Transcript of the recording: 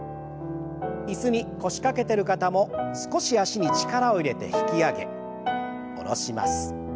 椅子に腰掛けてる方も少し脚に力を入れて引き上げ下ろします。